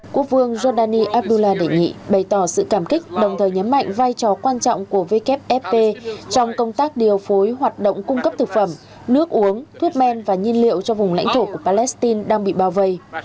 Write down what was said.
quốc vương jordani abdullah đệ nhị bày tỏ sự cảm kích đồng thời nhấn mạnh vai trò quan trọng của wfp trong công tác điều phối hoạt động cung cấp thực phẩm nước uống thuốc men và nhiên liệu cho vùng lãnh thổ của palestine đang bị bao vây